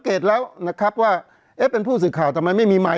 เพราะฉะนั้นประชาธิปไตยเนี่ยคือการยอมรับความเห็นที่แตกต่าง